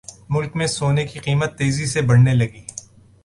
ملک میں سونے کی قیمت تیزی سے بڑھنے لگی